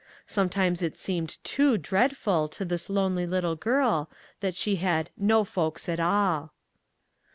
Sometimes it seemed too dreadful to this lonely little girl that she had " no folks at all."